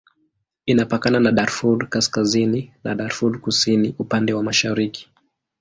Inapakana na Darfur Kaskazini na Darfur Kusini upande wa mashariki.